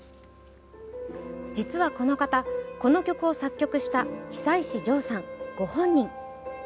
実はこの方、この曲を作曲した久石譲さんご本人。